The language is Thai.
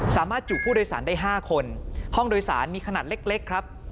จุผู้โดยสารได้๕คนห้องโดยสารมีขนาดเล็กครับ